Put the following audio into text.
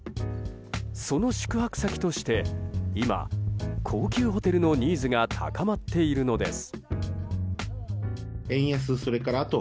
その宿泊先として今、高級ホテルのニーズが高まっているのです。